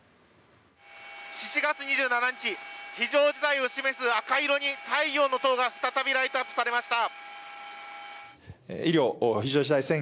７月２７日非常事態を示す赤色に太陽の塔が再びライトアップされました。